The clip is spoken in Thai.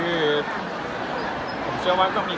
เริ่มต้นมายังไงครับชัวร์อันตรายกรรมนี้